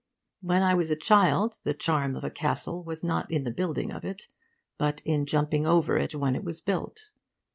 When I was a child the charm of a castle was not in the building of it, but in jumping over it when it was built.